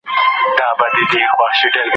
افراد باید د خپلو اړیکو په اړه پوره معلومات ولري.